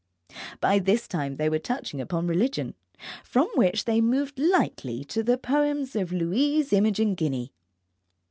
By this time they were touching upon religion, from which they moved lightly to the poems of Louise Imogen Guiney.